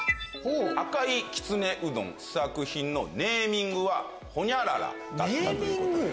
赤いきつねうどん試作品のネーミングはホニャララだった。